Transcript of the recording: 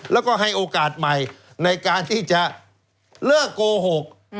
แล้วก็ให้โอกาสใหม่ในการที่จะเลิกโกหก